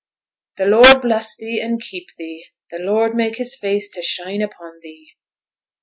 'The Lord bless thee and keep thee! The Lord make His face to shine upon thee!'